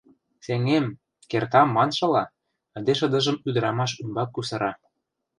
Сеҥем, кертам маншыла, ынде шыдыжым ӱдырамаш ӱмбак кусара.